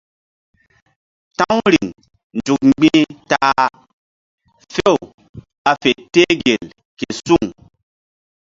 Ta̧w riŋ nzuk mgbi̧h ta a few ɓa fe teh gel ke suŋ.